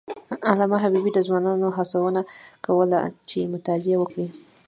علامه حبیبي د ځوانانو هڅونه کوله چې مطالعه وکړي.